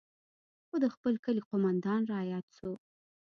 خو د خپل کلي قومندان راياد سو.